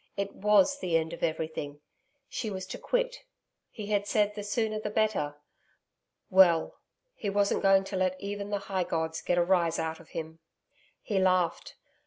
It WAS the end of everything. She was to quit.... He had said, the sooner the better.... Well he wasn't going to let even the high gods get a rise out of him. He laughed.